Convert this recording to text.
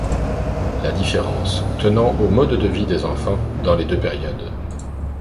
La différence tenant au mode de vie des enfants dans les deux périodes.